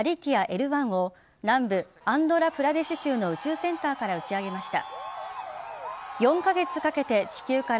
Ｌ１を南部アンドラプラデシュ州の宇宙センターから打ち上げました。